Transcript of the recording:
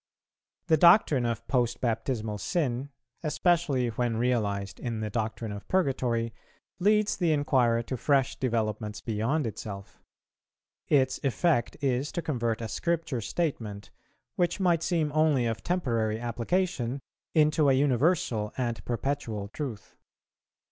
_ The doctrine of post baptismal sin, especially when realized in the doctrine of Purgatory, leads the inquirer to fresh developments beyond itself. Its effect is to convert a Scripture statement, which might seem only of temporary application, into a universal and perpetual truth.